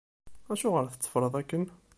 Acuɣer tetteffreḍ akken?